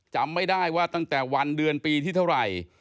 จำไม่ได้ว่าตั้งแต่วันเดือนปีที่เท่าไหร่